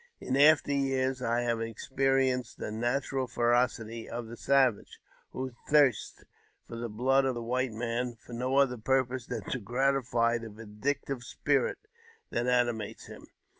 In after years I have experienced the natural ferocity of the savage, whOj thirsts for the blood of the white man for no other purp( than to gratify the vindictive spirit that animates him.